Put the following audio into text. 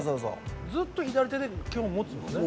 ずっと左手で基本は持つんですね？